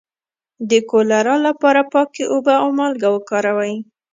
د کولرا لپاره پاکې اوبه او مالګه وکاروئ